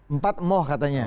empat moh katanya